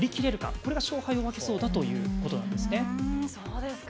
これが勝敗を分けそうだということなんですね。